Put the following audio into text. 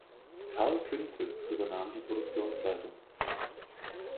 Karl Künzel übernahm die Produktionsleitung.